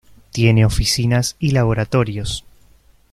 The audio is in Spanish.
Tiene oficinas y laboratorios.